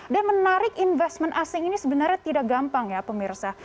dan menarik investment asing ini sebenarnya tidak gampang ya pemirsa